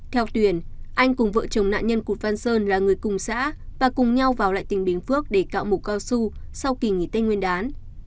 theo tuyền anh cùng vợ chồng nạn nhân cụt văn sơn là người cùng xã và cùng nhau vào lại tỉnh bến phước để cạo mụ cao su sau kỳ nghỉ tây nguyên đán